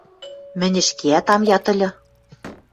— Мӹнь ӹшкеӓт ам яд ыльы.